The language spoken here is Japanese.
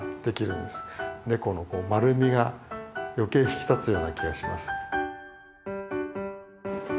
猫の丸みが余計引き立つような気がします。